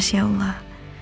terima kasih allah